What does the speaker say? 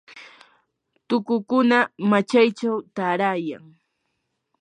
tukukuna machaychaw taarayan.